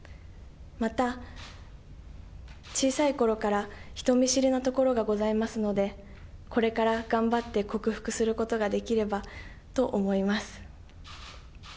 また、小さいころから人見知りなところがございますので、これから頑張って克服することができればと思います。